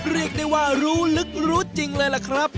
เรียกได้ว่ารู้ลึกรู้จริงเลยล่ะครับ